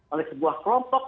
oleh sebuah kelompok